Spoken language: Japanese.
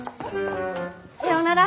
さようなら。